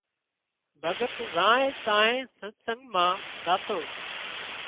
ڀڳت زانئين تانئين ستسنگ مان زاتو